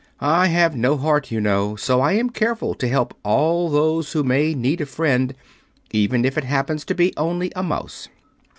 "I have no heart, you know, so I am careful to help all those who may need a friend, even if it happens to be only a mouse."